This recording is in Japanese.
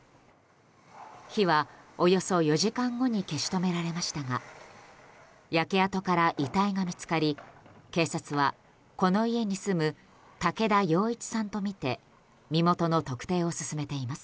火はおよそ４時間後に消し止められましたが焼け跡から遺体が見つかり警察は、この家に住む武田陽一さんとみて身元の特定を進めています。